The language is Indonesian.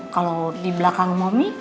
kalo di belakang mami